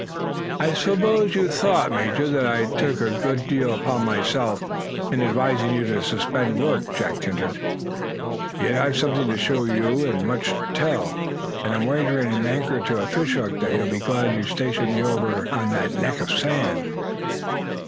"I suppose you thought, Major, that I took a good deal upon myself in advising you to suspend work," Jack hinted. "Yet I've something to show you, and much to tell you. And I'm wagering an anchor to a fish hook that you'll be glad you stationed me over on that neck of sand."